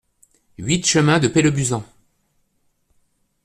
huit chemin de Pellebuzan